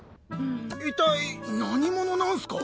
一体何者なんすか？